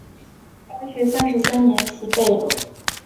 光绪三十三年袭贝勒。